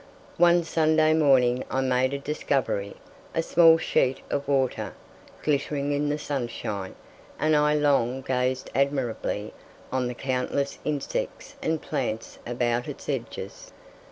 One Sunday morning I made a discovery a small sheet of water, glittering in the sunshine, and I long gazed admiringly on the countless insects and plants about its edges.